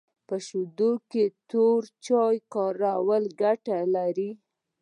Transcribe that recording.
په شیدو کي توري چای کارول ګټه لري